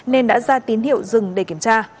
nên đã ra tín hiệu dừng để kiểm tra